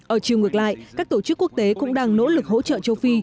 ở chiều ngược lại các tổ chức quốc tế cũng đang nỗ lực hỗ trợ châu phi